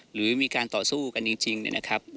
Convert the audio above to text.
หรือมีการต่อสู้กันจริงเนี่ยนะครับ